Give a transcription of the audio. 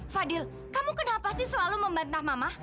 fadil kamu kenapa sih selalu membantah mama